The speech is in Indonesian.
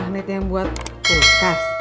magnet yang buat kulkas